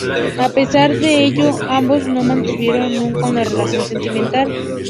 A pesar de ello, ambos no mantuvieron nunca una relación sentimental.